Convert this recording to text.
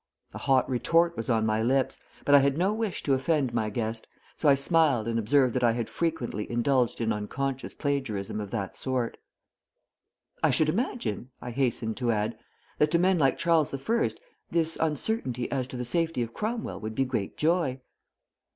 A hot retort was on my lips, but I had no wish to offend my guest, so I smiled and observed that I had frequently indulged in unconscious plagiarism of that sort. "I should imagine," I hastened to add, "that to men like Charles the First this uncertainty as to the safety of Cromwell would be great joy."